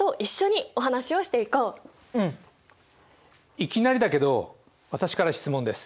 いきなりだけど私から質問です。